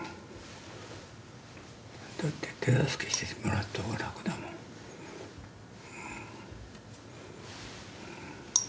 だって手助けしてもらった方が楽だもん。